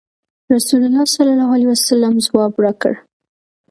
رسول الله صلی الله علیه وسلم ځواب راکړ.